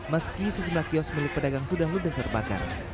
meski sejumlah kios milik pedagang sudah ludes terbakar